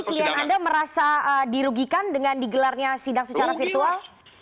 jadi klien anda merasa dirugikan dengan digelarnya sidang secara virtual